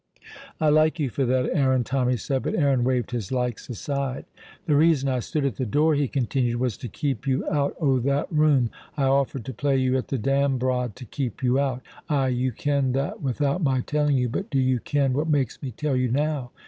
"I like you for that, Aaron," Tommy said; but Aaron waved his likes aside. "The reason I stood at the door," he continued, "was to keep you out o' that room. I offered to play you at the dambrod to keep you out. Ay, you ken that without my telling you, but do you ken what makes me tell you now?